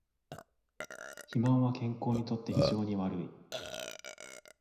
肥満は健康にとって非常に悪い